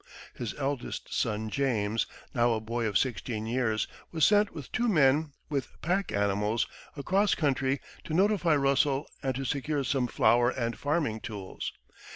His eldest son, James, now a boy of sixteen years, was sent with two men, with pack animals, across country to notify Russell and to secure some flour and farming tools.